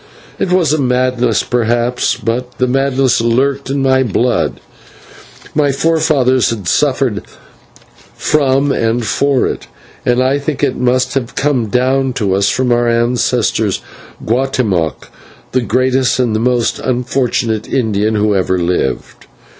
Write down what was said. It was a madness, perhaps, but the madness lurked in my blood; my forefathers had suffered from and for it, and I think that it must have come down to us from our ancestor, Guatemoc, the greatest and most unfortunate Indian who ever lived.